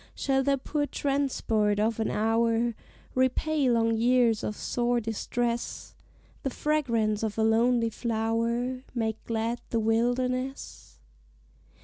Shall the poor transport of an hour Repay long years of sore distress The fragrance of a lonely flower Make glad the wilderness?